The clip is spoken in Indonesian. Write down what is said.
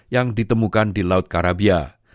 yang ditemukan di laut karabia